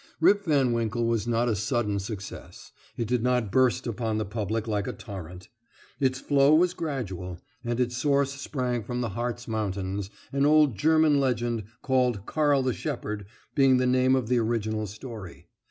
"Rip Van Winkle" was not a sudden success. It did not burst upon the public like a torrent. Its flow was gradual, and its source sprang from the Hartz Mountains, an old German legend, called "Carl the Shepherd," being the name of the original story.